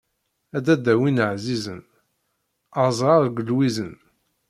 A dadda win ɛzizen, azrar deg lwizen.